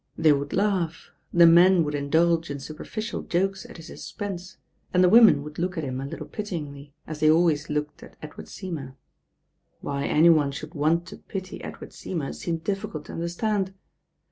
They yould laugh, the men would indulge in superficial jokes at his expense, and the women would look at him a little pityingly, ^s they always looked at Edward Seymour. Why any one should want to pity Edward Seymour seemed difficult to understand.